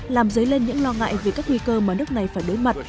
làm dấy lên những lo ngại về các nguy cơ mà nước này phải đối mặt